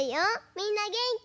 みんなげんき？